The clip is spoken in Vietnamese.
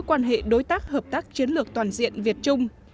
quan hệ đối tác hợp tác chiến lược toàn diện việt trung